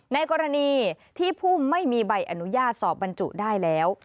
ในกรณีที่ผู้ไม่มีใบอนุญาตสอบบรรจุได้แล้ว